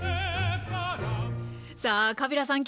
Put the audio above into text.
さあカビラさん